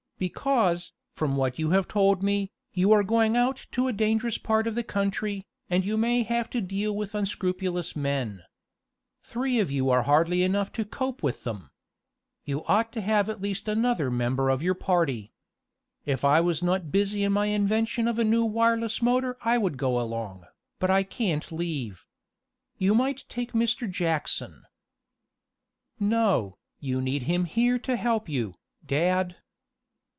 "Because, from what you have told me, you are going out to a dangerous part of the country, and you may have to deal with unscrupulous men. Three of you are hardly enough to cope with them. You ought to have at least another member of your party. If I was not busy on my invention of a new wireless motor I would go along, but I can't leave. You might take Mr. Jackson." "No, you need him here to help you, dad."